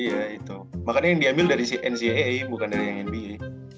iya itu makanya yang diambil dari si nja bukan dari yang nba